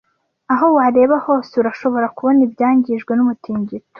Aho wareba hose urashobora kubona ibyangijwe numutingito.